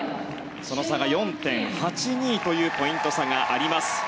その差が４．８２というポイント差があります。